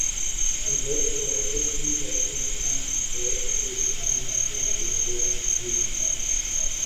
ا دھر سیاست بھی کرتے ہیں ووٹ دیتے ہیں اور لیتے بھی ہیں